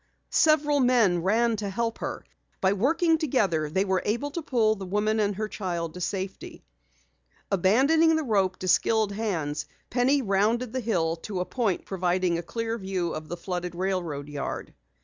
Several men ran to help her. By working together, they were able to pull the woman and her child to safety. Abandoning the rope to skilled hands, Penny rounded the hill to a point providing a clear view of the flooded railroad yard.